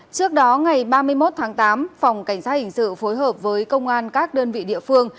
trước đó ngày ba mươi một tháng tám phòng cảnh sát hình sự phối hợp với công an các đơn vị địa phương